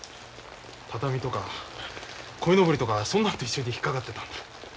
畳とかこいのぼりとかそんなのと一緒に引っ掛かってたんだ。